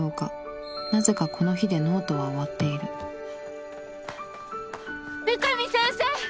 なぜかこの日でノートは終わっている三上先生！